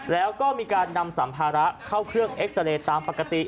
แล้วก็มีการนำสัมภาระเข้าเครื่องเอ็กซาเรย์ตามปกติ